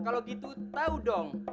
kalau gitu tau dong